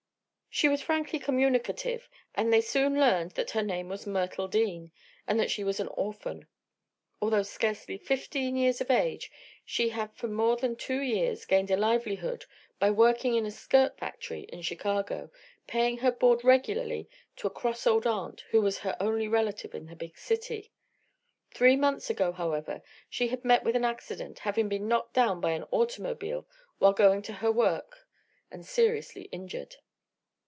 She was frankly communicative and they soon learned that her name was Myrtle Dean, and that she was an orphan. Although scarcely fifteen years of age she had for more than two years gained a livelihood by working in a skirt factory in Chicago, paying her board regularly to a cross old aunt who was her only relative in the big city. Three months ago, however, she had met with an accident, having been knocked down by an automobile while going to her work and seriously injured.